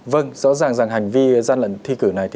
vâng rõ ràng rằng hành vi gian lận thi cử này